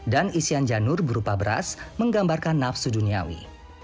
dan bagian isian janur berupa beras menggambarkan nafsu duniawi